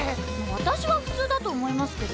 私は普通だと思いますけど？